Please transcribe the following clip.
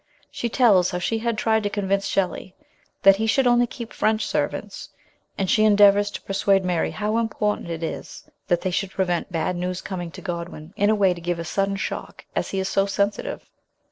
She tells how she had tried to convince Shelley that he should only keep French servants, and she endea vours to persuade Mary how important it is that they should prevent bad news coming to Godwin in a way to give a sudden shock, as he is so sensitive.